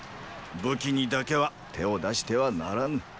武器にだけは手を出してはならぬ。